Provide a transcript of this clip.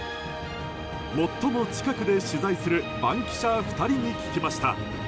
最も近くで取材する番記者２人に聞きました。